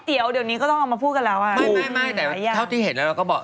แต่ครอบครัวที่เห็นแล้วเราก็บอก